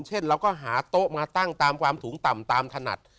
เช่นเราก็หาโต๊ะมาตั้งตามความสูงต่ำตามถนัด